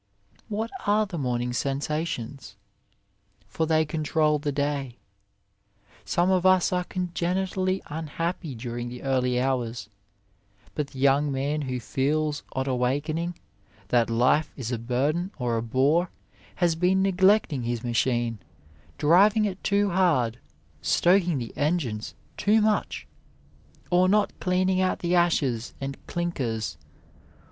What are the morning sensa tions ? for they control the day. Some of us are congenitally unhappy during the early hours ; but the young man who feels on 35 A WAY awakening that life is a burden or a bore has been neglecting his machine, driving it too hard, stoking the engines too much, or not cleaning out the ashes and clinkers.